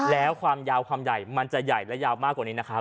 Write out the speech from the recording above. แล้วความยาวความใหญ่มันจะใหญ่และยาวมากกว่านี้นะครับ